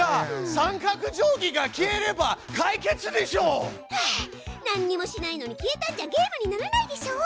三角定規が消えれば解決でしょう！はあなんにもしないのに消えたんじゃゲームにならないでしょう！